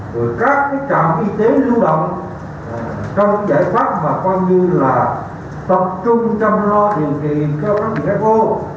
từ các trạm y tế lưu động trong giải pháp mà bao nhiêu là tập trung chăm lo điều trị cho các vị hfo